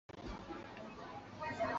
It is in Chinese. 边靖楼位于山西省代县城内。